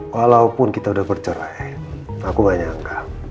walaupun kita udah bercerai aku gak nyangka